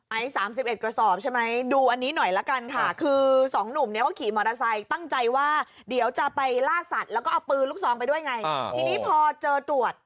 ๓๑กระสอบใช่ไหมดูอันนี้หน่อยละกันค่ะคือสองหนุ่มเนี่ยเขาขี่มอเตอร์ไซค์ตั้งใจว่าเดี๋ยวจะไปล่าสัตว์แล้วก็เอาปืนลูกซองไปด้วยไงทีนี้พอเจอตรวจ